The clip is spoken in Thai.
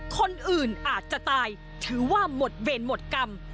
คนอื่นอาจจะตายถือว่าหมดเวรหมดกรรม